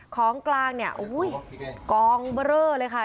ของกลางเนี่ยกองเบอร์เรอเลยค่ะ